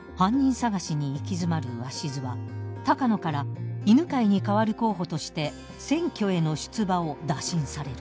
捜しに行き詰まる鷲津は鷹野から犬飼に替わる候補として選挙への出馬を打診される。］